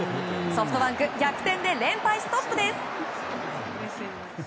ソフトバンク、逆転で連敗ストップです。